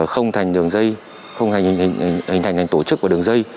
không thành đường dây không hình thành thành tổ chức của đường dây